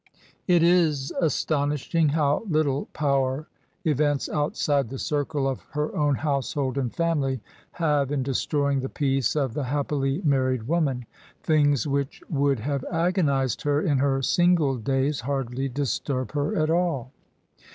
It is astonishing how little power events outside the circle of her own household and family have in destroying the peace of the happily married woman. Things which would have agonised her in her single days hardly disturb her at all.